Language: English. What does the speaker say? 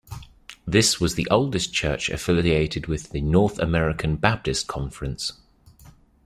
This was the oldest church affiliated with the "North American Baptist Conference".